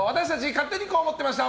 勝手にこう思ってました！